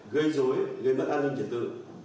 gây rối gây mất an ninh trật tự